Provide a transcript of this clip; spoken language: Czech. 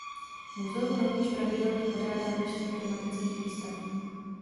Muzeum rovněž pravidelně pořádá množství tematických výstav.